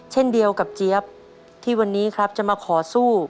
เช่นเดียวกับเจี๊ยบที่วันนี้ครับจะมาขอสู้